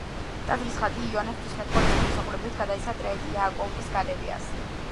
ტაძრის ხატი, იოანე ღვთისმეტყველის გამოსახულებით გადაეცა ტრეტიაკოვის გალერეას.